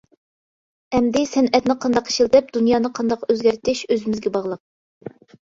ئەمدى سەنئەتنى قانداق ئىشلىتىپ، دۇنيانى قانداق ئۆزگەرتىش ئۆزىمىزگە باغلىق.